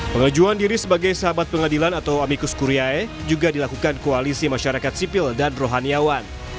pengajuan diri sebagai sahabat pengadilan atau amikus kuriae juga dilakukan koalisi masyarakat sipil dan rohaniawan